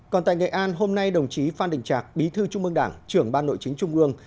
còn tại nghệ an hôm nay đồng chí phan đình trạc bí thư trung ương đảng trưởng ban nội chính trung ương